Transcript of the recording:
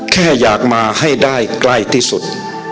แค่อยากมาให้ได้ใกล้ที่สุด